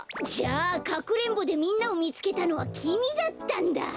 じゃあかくれんぼでみんなをみつけたのはきみだったんだ。